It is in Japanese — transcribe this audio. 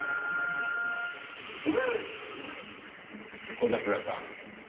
小桜さん